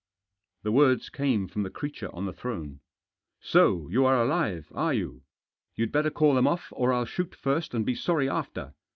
The words came from the creature on the throne. " So you are alive, are you ? You'd better call them off, or I'll shoot first, and be sorry after."